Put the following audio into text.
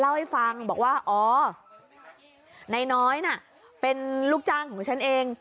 เล่าให้ฟังบอกว่าอ๋อนายน้อยน่ะเป็นลูกจ้างของฉันเอง